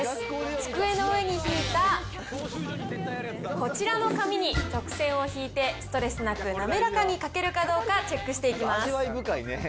机の上に敷いたこちらの紙に直線を引いて、ストレスなく滑らかに書けるかどうか、チェックしていきます。